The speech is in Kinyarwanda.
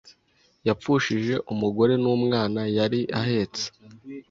Yapfushije umugore numwana yari ahetse